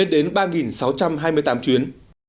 đến ba sáu trăm hai mươi tám chuyến